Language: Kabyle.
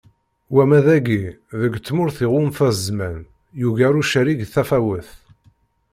Wama dagi, deg tmurt iɣunfa zzman ; yugar ucerrig tafawet.